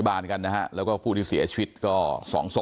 เพราะไม่เคยถามลูกสาวนะว่าไปทำธุรกิจแบบไหนอะไรยังไง